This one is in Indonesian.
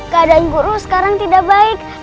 keadaan guru sekarang tidak baik